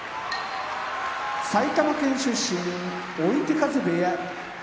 埼玉県出身追手風部屋